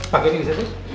paket ini bisa terus